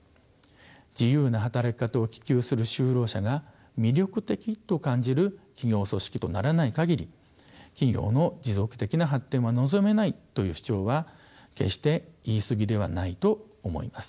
自由な働き方を希求する就労者が魅力的と感じる企業組織とならない限り企業の持続的な発展は望めないという主張は決して言い過ぎではないと思います。